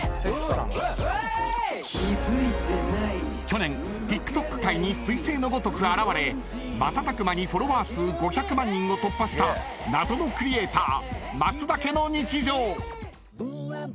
［去年ＴｉｋＴｏｋ界に彗星のごとく現れ瞬く間にフォロワー数５００万人を突破した謎のクリエイター］